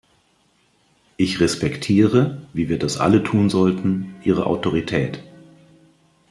Ich respektiere wie wir das alle tun sollten ihre Autorität.